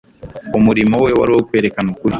Umurimo we wari uwo kwerekana ukuri.